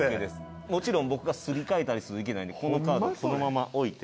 もちろん僕がすり換えたりする気ないのでこのカードをそのまま置いて。